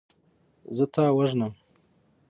زه تا وژنم.